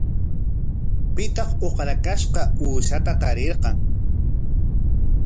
¿Pitaq ukrakashqa uushata tarirqan?